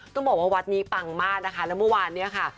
ต้องบอกว่าวัดนี้ปังมากนะคะแล้วเมื่อวานเนี่ยค่ะ